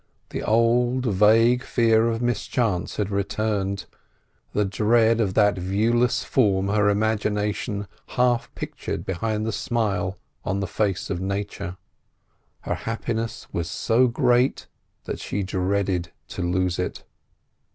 The old vague fear of mischance had returned—the dread of that viewless form her imagination half pictured behind the smile on the face of Nature. Her happiness was so great that she dreaded to lose it.